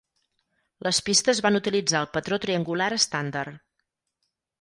Les pistes van utilitzar el patró triangular estàndard.